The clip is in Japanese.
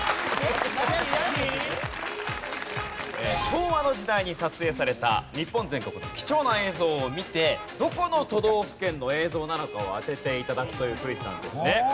昭和の時代に撮影された日本全国の貴重な映像を見てどこの都道府県の映像なのかを当てて頂くというクイズなんですね。